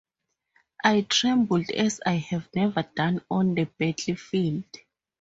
I trembled as I have never done on the battlefield.